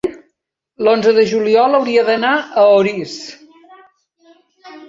l'onze de juliol hauria d'anar a Orís.